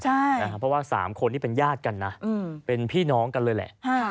เพราะว่าสามคนเป็นญาติกันเป็นพี่น้องกันเลย